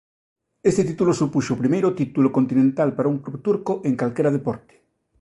Este título supuxo o primeiro título continental para un club turco en calquera deporte.